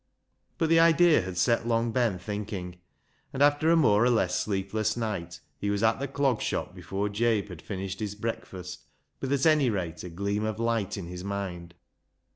But the idea had set Long Ben thinking, and after a more or less sleepless night he was at the Clog Shop before Jabe had finished his breakfast, with at any rate a gleam of light in his mind.